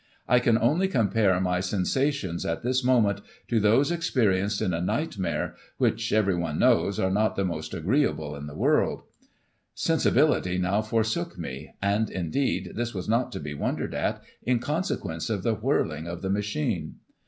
I can only compare my sensations at this moment to those experienced in a nightmare, which, everyone knows, are not Digiti ized by Google 1843] TREASURE TROVE. 213 the most agreeable in the world Sensibility now forsook me ; and, indeed, this was not to be wondered at, in consequence of the whirling of the machine.